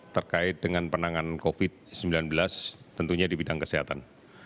terkait dengan penanganan covid sembilan belas tentunya di bidang kesehatan